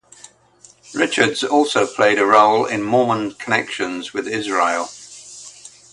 Richards also played a role in Mormon connections with Israel.